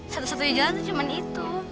satu satunya jalan tuh cuma itu